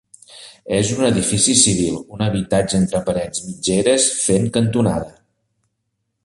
És un edifici civil, un habitatge entre parets mitgeres, fent cantonada.